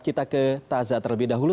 kita ke tazah terlebih dahulu